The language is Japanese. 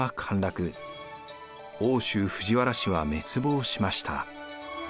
奥州藤原氏は滅亡しました。